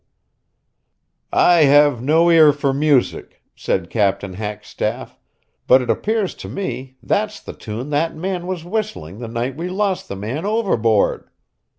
"I have no ear for music," said Captain Hackstaff, "but it appears to me that's the tune that man was whistling the night we lost the man overboard.